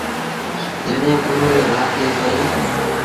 جڏهيݩ پنهون ري ڀآن کي پئيٚ۔